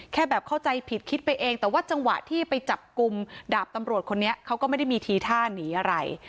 แค่แบบเข้าใจผิดคิดไปเองแต่ว่าจังหวะที่ไปจับกลุ่มดาบตำรวจคนนี้เขาก็ไม่ได้มีทีท่าหนีอะไร